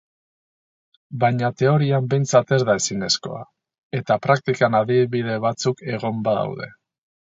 Baina teorian behintzat ez da ezinezkoa, eta praktikan adibide batzuk egon badaude.